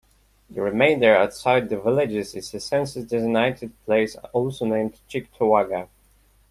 The remainder, outside the villages, is a census-designated place also named Cheektowaga.